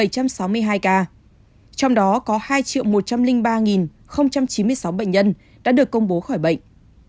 bảy trăm sáu mươi hai ca trong đó có hai một trăm linh ba chín mươi sáu bệnh nhân đã được công bố khỏi bệnh